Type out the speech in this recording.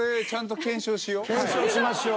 検証しましょう。